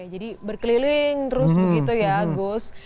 jadi berkeliling terus begitu ya gus